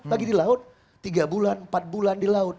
lagi di laut tiga bulan empat bulan di laut